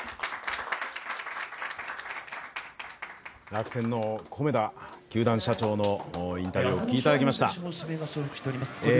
楽天の米田球団社長のインタビューをお聞きいただきました。